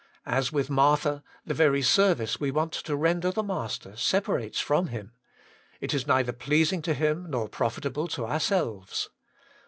As with Martha, the very service we want to render the Master separates from Him ; it is neither pleasing to Him nor profitable to ourselves.